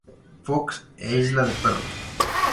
Fox" e "Isla de perros".